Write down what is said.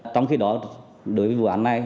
trong khi đó đối với vụ án này